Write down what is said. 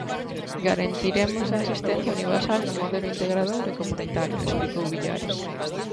Garantiremos a asistencia universal nun modelo integrador e comunitario, explicou Villares.